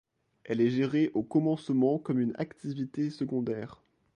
Elle est gérée au commencement comme une activité secondaire.